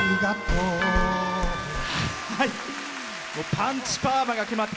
パンチパーマが決まって。